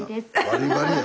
バリバリや。